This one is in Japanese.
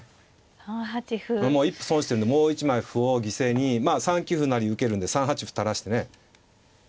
もう一歩損してるんでもう一枚歩を犠牲にまあ３九歩成受けるんで３八歩垂らしてね。